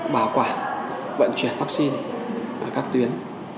bảo quản vận chuyển vaccine ở các tuyến